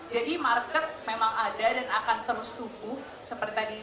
jadi market memang ada dan akan terus tumbuh